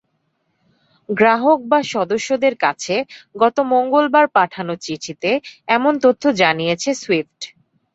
গ্রাহক বা সদস্যদের কাছে গত মঙ্গলবার পাঠানো চিঠিতে এমন তথ্য জানিয়েছে সুইফট।